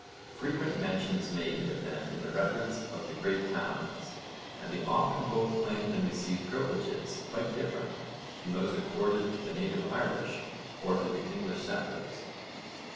Frequent mention is made of them in the records of the great towns, and they often both claimed and received privileges quite different from those accorded to the native Irish or to the English settlers.